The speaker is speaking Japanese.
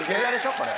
これ。